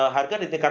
harga di tingkat